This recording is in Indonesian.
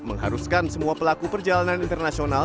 mengharuskan semua pelaku perjalanan internasional